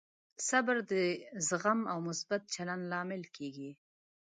صبر د زغم او مثبت چلند لامل کېږي.